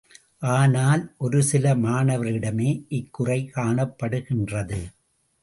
ஆனால் ஒரு சில மாணவரிடமே இக்குறை காணப்படுகின்றது.